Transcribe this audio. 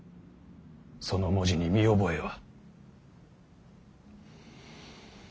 その文字に見覚えは。